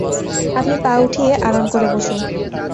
আপনি পা উঠিয়ে আরাম করে বসুন।